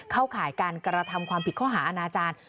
เข้าข่ายการกระทำความผิดข้อหาราชาญ